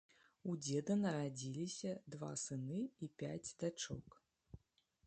У дзеда нарадзіліся два сыны і пяць дачок.